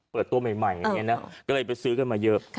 เปิดตัวใหม่อย่างนี้นะก็เลยไปซื้อกันมาเยอะ